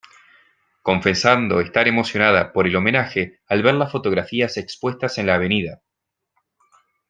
Confesando estar emocionada por el homenaje, al ver las fotografías expuestas en la avenida.